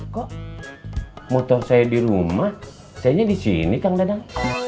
kok motor saya di rumah sayanya di sini kang dadang